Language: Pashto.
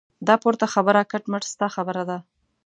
دا پورته خبره کټ مټ ستا خبره ده.